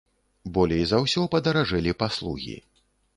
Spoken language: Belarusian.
Болей за ўсё падаражэлі паслугі.